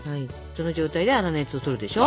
その状態で粗熱をとるでしょ。